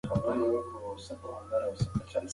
فعاله ښځې ټولنې ته نوې انرژي او فکر وربخښي.